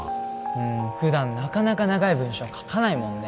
うん普段なかなか長い文章書かないもんね